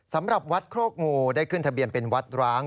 สำหรับวัดโคกงูได้ขึ้นทะเบียนเป็นวัดร้าง